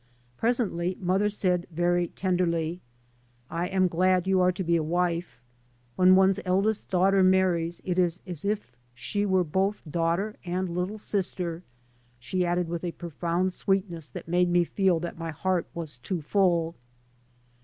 Presently mother said very ten derly, " I am glad you are to be a wife. When one's eldest daughter marries it is as if she were both daughter and little sister," she added with a profound sweetness that made me feel that my heart was too full.